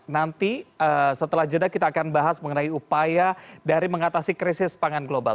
nanti setelah jeda kita akan bahas mengenai upaya dari mengatasi krisis pangan global